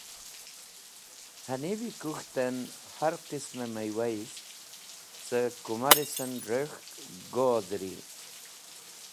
Hanivi kũk̃hten har qism-e meywayisht: cẽ Kũmars en rek̃hk Gozeri.